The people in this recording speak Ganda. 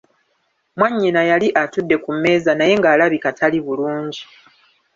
Mwanyina yali atudde ku meeza naye ng'alabika tali bulungi.